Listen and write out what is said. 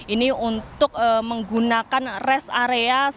ini untuk menggunakan rest area semakin banyak